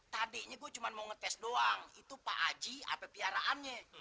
tadinya gue cuma mau ngetes doang itu pak aji apa piaraannya